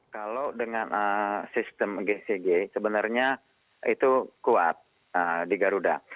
kalau dengan sistem gcg sebenarnya itu kuat di garuda